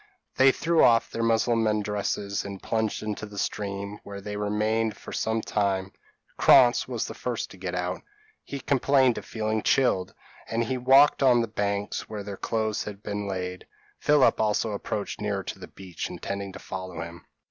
They threw off their Mussulman dresses, and plunged into the stream, where they remained fur some time. Krantz was the first to get out: he complained of feeling chilled, and he walked on to the banks where their clothes had been laid. Philip also approached nearer to the beach, intending to follow him.